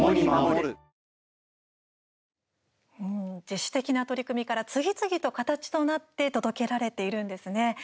自主的な取り組みから次々と形となって届けられているんですね。